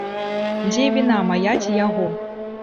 Дзе віна мая ці яго?